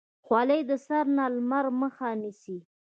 خولۍ د سر نه د لمر مخه نیسي.